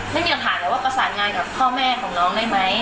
ไม่มีหลักฐานแล้วว่าประสานงานกับพ่อแม่ของน้องได้ไหม